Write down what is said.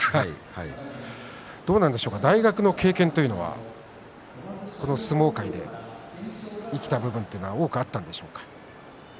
大学の経験というのは相撲界で生きた部分というのは多くあったんでしょうか。